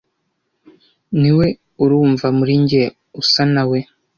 niwe urumva muri njye usa na we